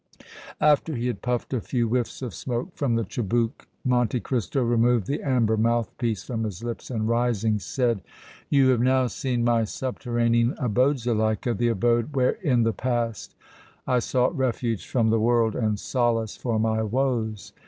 After he had puffed a few whiffs of smoke from the chibouque, Monte Cristo removed the amber mouthpiece from his lips and rising said: "You have now seen my subterranean abode, Zuleika, the abode where in the past I sought refuge from the world and solace for my woes.